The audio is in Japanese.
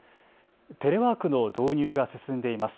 テレワークの導入が進んでいます。